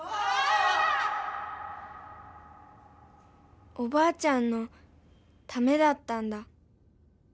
心の声おばあちゃんのためだったんだ。